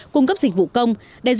cung cấp dịch vụ công